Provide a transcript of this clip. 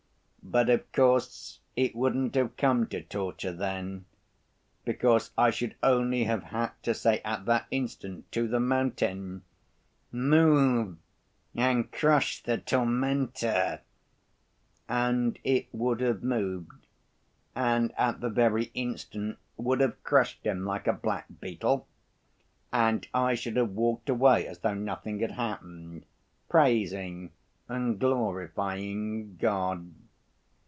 But, of course, it wouldn't have come to torture then, because I should only have had to say at that instant to the mountain, 'Move and crush the tormentor,' and it would have moved and at the very instant have crushed him like a black‐beetle, and I should have walked away as though nothing had happened, praising and glorifying God.